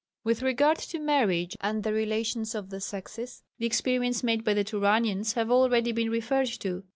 With regard to marriage and the relations of the sexes the experiments made by the Turanians have already been referred to.